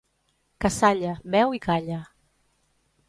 Cassalla, beu i calla.